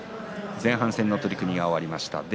前半戦の取組が終わりました。